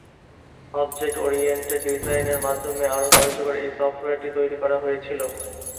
Object oriented ডিজাইনের মাধ্যমে আরও কার্যকর এই সফটওয়্যারটি তৈরী করা হয়েছিল।